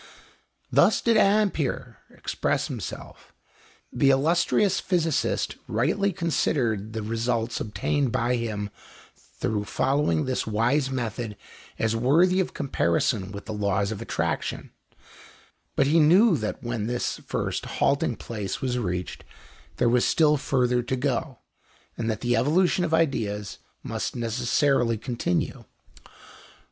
Thus did Ampère express himself. The illustrious physicist rightly considered the results obtained by him through following this wise method as worthy of comparison with the laws of attraction; but he knew that when this first halting place was reached there was still further to go, and that the evolution of ideas must necessarily continue.